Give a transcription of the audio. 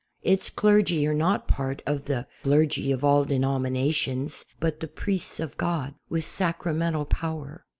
Its clergy are not part of the ''clergy of all denominations," but the priests of God with Sacramental power.